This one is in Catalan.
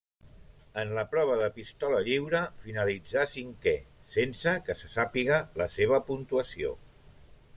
En la prova de pistola lliure finalitzà cinquè, sense que se sàpiga la seva puntuació.